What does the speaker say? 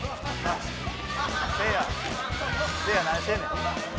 せいや何してんねん。